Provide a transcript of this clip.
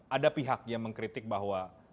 ada pihak yang mengkritik bahwa